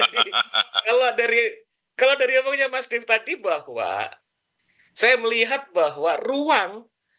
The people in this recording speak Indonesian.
jadi kalau dari omongnya mas div tadi bahwa saya melihat bahwa ruang